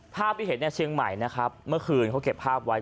ภาพที่เห็นเนี่ยเชียงใหม่นะครับเมื่อคืนเขาเก็บภาพไว้